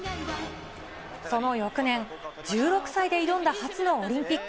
その翌年、１６歳で挑んだ初のオリンピック。